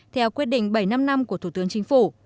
theo quyết định bảy mươi năm năm của thủ tướng chính phủ